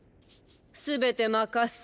全て任す。